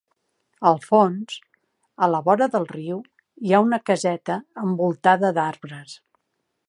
Al fons, a la vora del riu, hi ha una caseta envoltada d'arbres.